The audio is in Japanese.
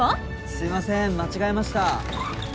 すいません間違えました。